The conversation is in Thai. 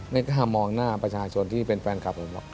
ไม่กล้ามองหน้าประชาชนที่เป็นแฟนคลับผมหรอก